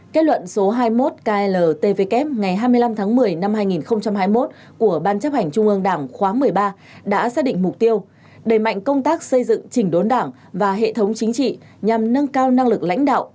kết luận số hai mươi một kltvk ngày hai mươi năm tháng một mươi năm hai nghìn hai mươi một của ban chấp hành trung ương đảng khóa một mươi ba đã xác định mục tiêu đẩy mạnh công tác xây dựng chỉnh đốn đảng và hệ thống chính trị nhằm nâng cao năng lực lãnh đạo